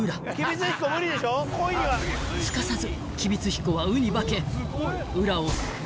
［すかさず］